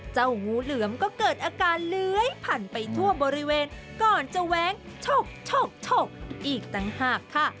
งูเหลือมก็เกิดอาการเลื้อยผ่านไปทั่วบริเวณก่อนจะแว้งชกอีกต่างหากค่ะ